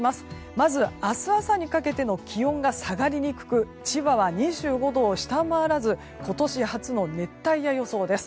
まず明日朝にかけての気温が下がりにくく千葉は２５度を下回らず今年初の熱帯夜予想です。